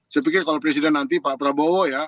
saya pikir kalau presiden nanti pak prabowo ya